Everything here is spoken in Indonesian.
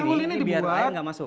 tanggul ini dibuat air gak masuk